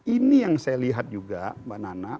ini yang saya lihat juga mbak nana